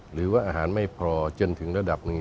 หรือว่าอาหารไม่พอจนถึงระดับหนึ่ง